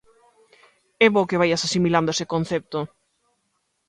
É bo que vaias asimilando ese concepto.